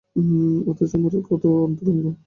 অথচ উমরের কত অন্তরঙ্গ!